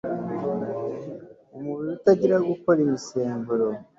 umubiri utangira gukora imisemburo